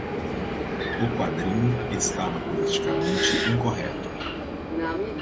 O quadrinho estava politicamente incorreto.